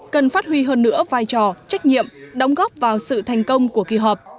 cần phát huy hơn nữa vai trò trách nhiệm đóng góp vào sự thành công của kỳ họp